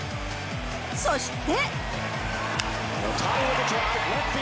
そして。